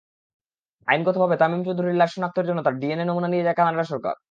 আইনগতভাবে তামিম চৌধুরীর লাশ শনাক্তের জন্য তাঁর ডিএনএ নমুনা নিয়ে যায় কানাডা সরকার।